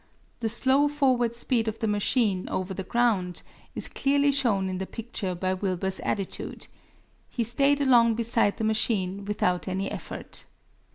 The slow forward speed of the machine over the ground is clearly shown in the picture by Wilbur's attitude. He stayed along beside the machine without any effort.